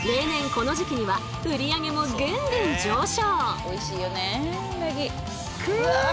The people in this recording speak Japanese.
この時期には売り上げもぐんぐん上昇！